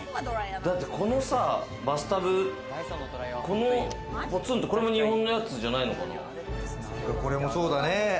だって、このさ、バスタブ、このポツンと、これも日本のやつじゃないのかな？